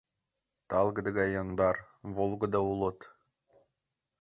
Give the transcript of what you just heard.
Талгыде гай яндар, волгыдо улыт.